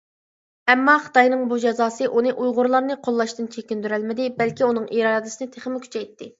ئەمما، خىتاينىڭ بۇ جازاسى ئۇنى ئۇيغۇرلارنى قوللاشتىن چېكىندۈرەلمىدى، بەلكى ئۇنىڭ ئىرادىسىنى تېخىمۇ كۈچەيتتى.